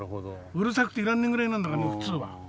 うるさくていらんねえぐらいなんだからね普通は。